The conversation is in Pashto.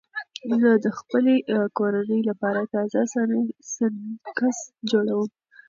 زه د خپلې کورنۍ لپاره تازه سنکس جوړوم.